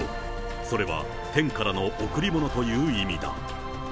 それは天からの贈り物という意味だ。